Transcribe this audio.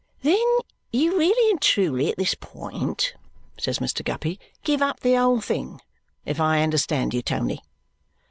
"Then you really and truly at this point," says Mr. Guppy, "give up the whole thing, if I understand you, Tony?"